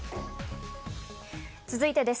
続いてです。